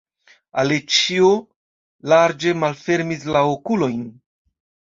Aleĉjo larĝe malfermis la okulojn.